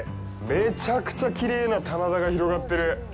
めちゃくちゃきれいな棚田が広がってる。